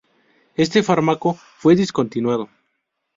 Este fármaco fue discontinuado.